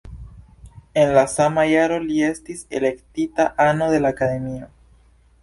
En la sama jaro li estis elektita ano de la Akademio.